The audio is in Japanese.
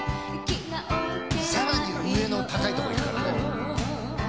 さらに上の高いとこいくからね。